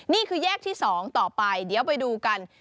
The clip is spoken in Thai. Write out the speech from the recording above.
นี่คือแยกที่๒ต่อไปเดี๋ยวไปดูกัน